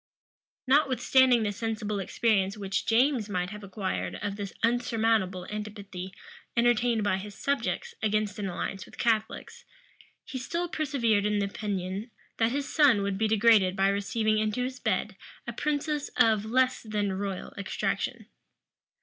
Notwithstanding the sensible experience which James might have acquired of the unsurmountable antipathy entertained by his subjects against an alliance with Catholics, he still persevered in the opinion, that his son would be degraded by receiving into his bed a princess of less than royal extraction.